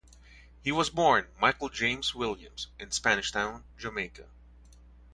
He was born Michael James Williams in Spanish Town, Jamaica.